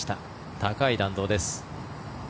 高い弾道です。